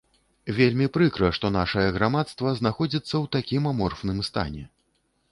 Вельмі прыкра, што нашае грамадства знаходзіцца ў такім аморфным стане.